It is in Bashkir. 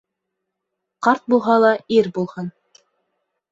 Ҡарт булһа ла ир булһын.